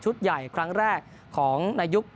ชุดใหญ่ครั้งแรกของนายุค